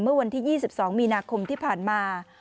เมื่อวันที่๒๒มีนาคมที่ผ่านมา